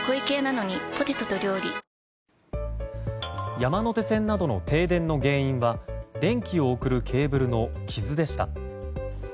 山手線などの停電の原因は電気を送るケーブルの傷でした。